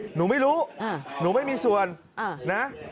หนูไม่รู้หนูไม่มีส่วนนะ